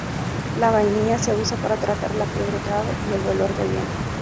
La vainilla se usa para tratar las fiebres graves y el dolor de vientre.